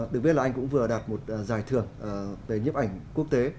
được biết là anh cũng vừa đạt một giải thưởng về nhiếp ảnh quốc tế